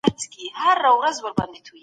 ستا غیبت مي